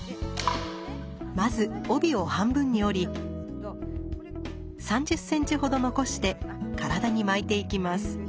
まず帯を半分に折り３０ｃｍほど残して体に巻いていきます。